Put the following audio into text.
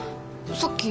さっき。